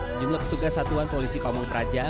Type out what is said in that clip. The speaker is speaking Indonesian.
sejumlah petugas satuan polisi pamung praja